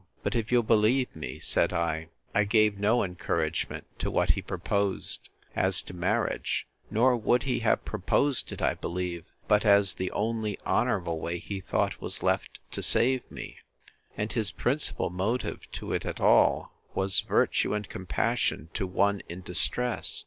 —But if you'll believe me, said I, I gave no encouragement to what he proposed, as to marriage; nor would he have proposed it, I believe, but as the only honourable way he thought was left to save me: And his principal motive to it at all, was virtue and compassion to one in distress.